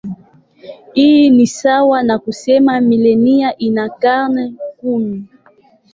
Hii ni sawa na kusema milenia ina karne kumi.